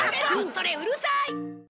それうるさい！